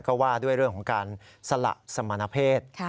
ก็ว่าด้วยเรื่องของการสละสมณเพศ